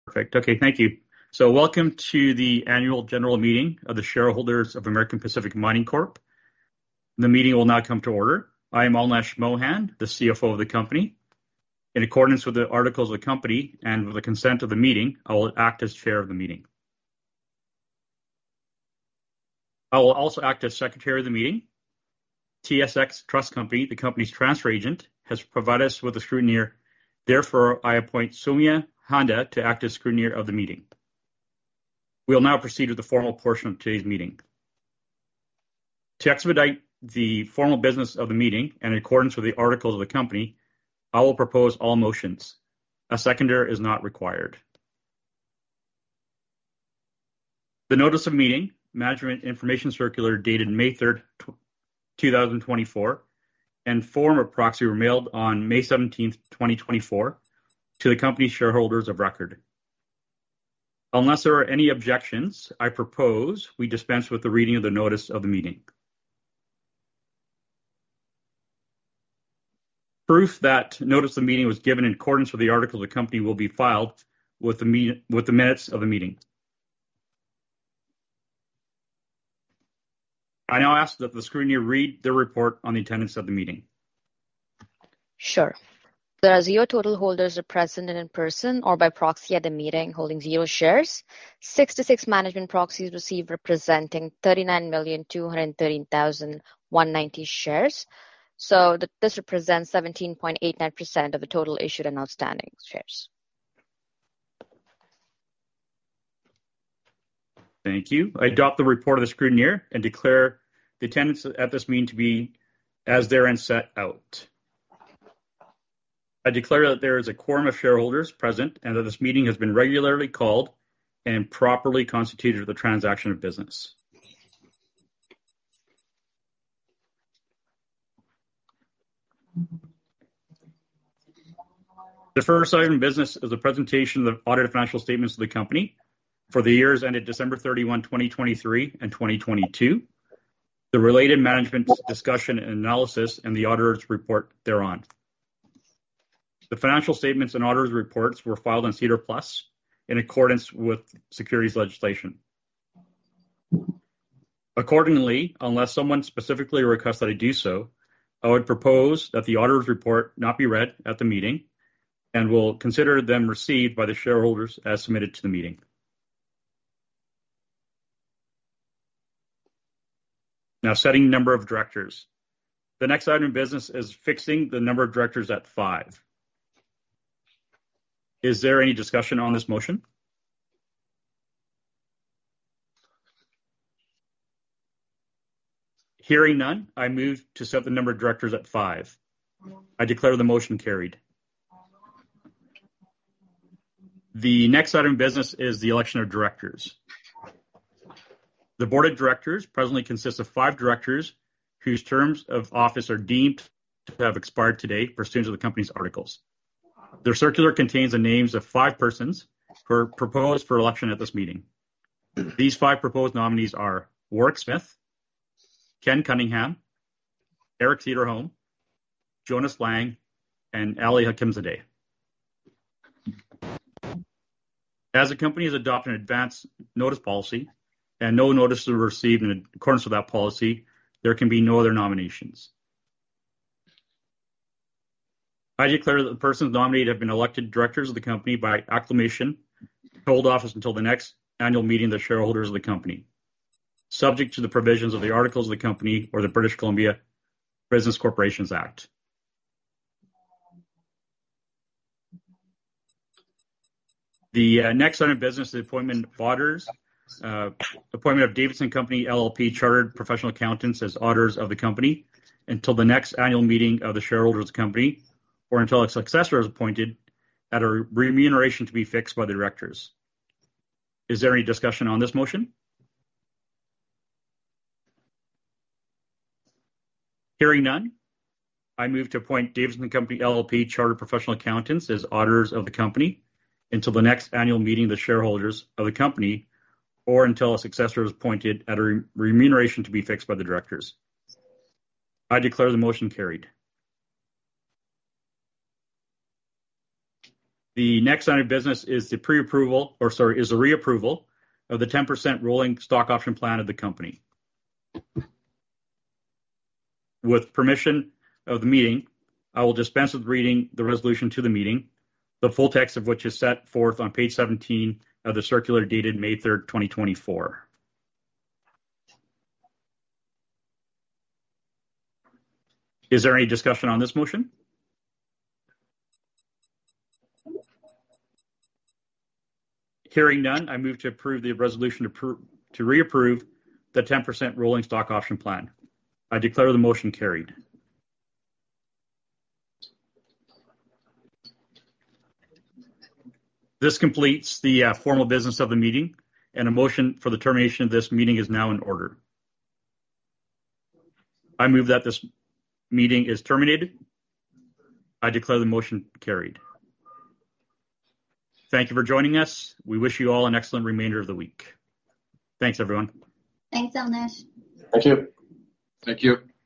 Perfect. Okay, thank you. Welcome to the annual general meeting of the shareholders of American Pacific Mining Corp. The meeting will now come to order. I am Alnesh Mohan, the CFO of the company. In accordance with the articles of the company and with the consent of the meeting, I will act as chair of the meeting. I will also act as secretary of the meeting. TSX Trust Company, the company's transfer agent, has provided us with a scrutineer. Therefore, I appoint Soumya Honda to act as scrutineer of the meeting. We will now proceed with the formal portion of today's meeting. To expedite the formal business of the meeting and in accordance with the articles of the company, I will propose all motions. A seconder is not required. The notice of meeting, management information circular dated May 3rd, 2024, and form of proxy were mailed on May 17th, 2024, to the company shareholders of record. Unless there are any objections, I propose we dispense with the reading of the notice of the meeting. Proof that notice of meeting was given in accordance with the articles of the company will be filed with the minutes of the meeting. I now ask that the scrutineer read the report on the attendance of the meeting. Sure. There are zero total holders present in person or by proxy at the meeting holding zero shares. Sixty-six management proxies received representing 39,213,190 shares. So this represents 17.89% of the total issued and outstanding shares. Thank you. I adopt the report of the scrutineer and declare the attendance at this meeting to be as there and set out. I declare that there is a quorum of shareholders present and that this meeting has been regularly called and properly constituted for the transaction of business. The first item in business is the presentation of the audited financial statements of the company for the years ended December 31, 2023, and 2022, the related management discussion and analysis, and the auditor's report thereon. The financial statements and auditor's reports were filed on SEDAR+ in accordance with securities legislation. Accordingly, unless someone specifically requests that I do so, I would propose that the auditor's report not be read at the meeting and will consider them received by the shareholders as submitted to the meeting. Now, setting number of directors. The next item in business is fixing the number of directors at five. Is there any discussion on this motion? Hearing none, I move to set the number of directors at five. I declare the motion carried. The next item in business is the election of directors. The board of directors presently consists of five directors whose terms of office are deemed to have expired today pursuant to the company's articles. Their circular contains the names of five persons proposed for election at this meeting. These five proposed nominees are Warwick Smith, Ken Cunningham, Eric Saderholm, Joness Lang, and Ali Hakimzadeh. As the company has adopted an advance notice policy and no notices were received in accordance with that policy, there can be no other nominations. I declare that the persons nominated have been elected directors of the company by acclamation to hold office until the next annual meeting of the shareholders of the company, subject to the provisions of the articles of the company or the British Columbia Business Corporations Act. The next item in business is the appointment of Davidson & Company LLP, chartered professional accountants as auditors of the company until the next annual meeting of the shareholders of the company or until a successor is appointed at a remuneration to be fixed by the directors. Is there any discussion on this motion? Hearing none, I move to appoint Davidson & Company LLP, chartered professional accountants as auditors of the company until the next annual meeting of the shareholders of the company or until a successor is appointed at a remuneration to be fixed by the directors. I declare the motion carried. The next item in business is the pre-approval or, sorry, is a reapproval of the 10% rolling stock option plan of the company. With permission of the meeting, I will dispense with reading the resolution to the meeting, the full text of which is set forth on page 17 of the circular dated May 3rd, 2024. Is there any discussion on this motion? Hearing none, I move to approve the resolution to reapprove the 10% rolling stock option plan. I declare the motion carried. This completes the formal business of the meeting, and a motion for the termination of this meeting is now in order. I move that this meeting is terminated. I declare the motion carried. Thank you for joining us. We wish you all an excellent remainder of the week. Thanks, everyone. Thanks, Alnesh. Thank you. Thank you.